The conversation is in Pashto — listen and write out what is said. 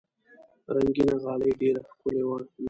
رنګینه غالۍ ډېر ښکلي وي.